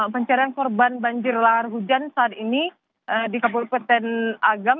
pencarian korban banjir lahar hujan saat ini di kabupaten agam